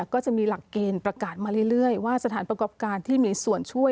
ก็จะมีหลักเกณฑ์ประกาศมาเรื่อยว่าสถานประกอบการที่มีส่วนช่วย